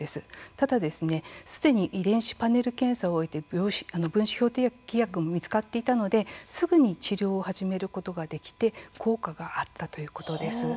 ただ、すでに遺伝子パネル検査を終えて分子標的薬も見つかっていたのですぐに治療を始めることができて効果があったということです。